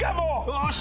よし！